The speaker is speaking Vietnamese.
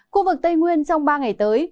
khu vực tây nguyên trong ba ngày tới